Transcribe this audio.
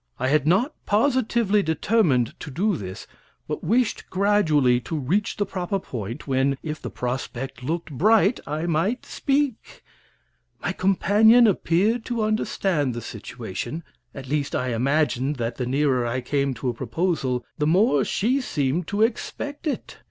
I had not positively determined to do this, but wished gradually to reach the proper point, when, if the prospect looked bright, I might speak. My companion appeared to understand the situation at least, I imagined that the nearer I came to a proposal the more she seemed to expect it.